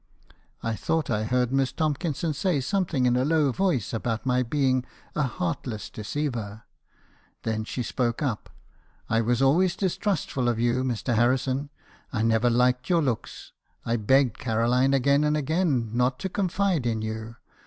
"I thought I heard Miss Tomkinson say something in a low voice about my being a heartless deceiver. Then she spoke up. 4 1 was always distrustful of you, Mr. Harrison. I never liked your looks. I begged Caroline again and again not to confide in you.